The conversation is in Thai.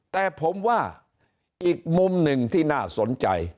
แต่ผมว่าอีกมุมหนึ่งที่น่าสนใจ